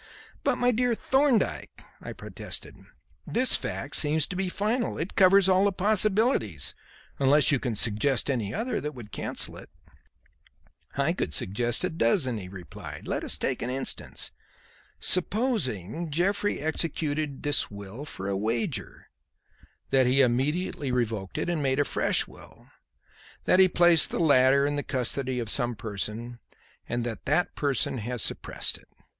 "But, my dear Thorndyke!" I protested, "this fact seems to be final. It covers all possibilities unless you can suggest any other that would cancel it." "I could suggest a dozen," he replied. "Let us take an instance. Supposing Jeffrey executed this will for a wager; that he immediately revoked it and made a fresh will, that he placed the latter in the custody of some person and that that person has suppressed it."